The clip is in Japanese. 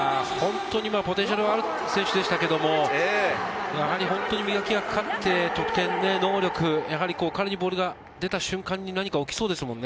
ポテンシャルがある選手でしたけど、本当に磨きがかかって得点能力、彼にボールが出た瞬間に何か起きそうですもんね。